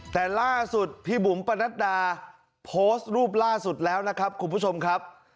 แต่ล่าสุดพี่บุ๋มปนัดดาโพสต์รูปล่าสุดแล้วนะครับคุณผู้ชมครับ